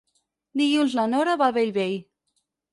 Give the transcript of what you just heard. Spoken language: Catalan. Dilluns na Nora va a Bellvei.